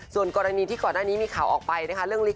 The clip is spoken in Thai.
ส่วนกรณีที่ก่อนหน้านี้มีข่าวออกไปนะคะเรื่องลิก